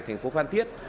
thành phố phan thiết